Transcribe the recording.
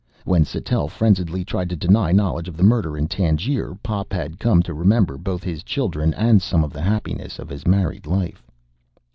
When Sattell frenziedly tried to deny knowledge of the murder in Tangier, Pop had come to remember both his children and some of the happiness of his married life.